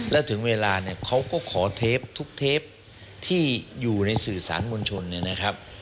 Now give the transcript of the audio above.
แล้วถึงเวลาเนี่ยเขาก็ขอเทปทุกเทปที่อยู่ในสื่อสารมวลชนเนี่ยนะครับ